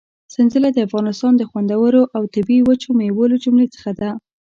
سنځله د افغانستان د خوندورو او طبي وچو مېوو له جملې څخه ده.